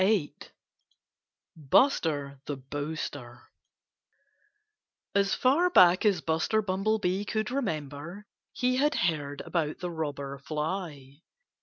VIII BUSTER THE BOASTER As far back as Buster Bumblebee could remember, he had heard about the Robber Fly.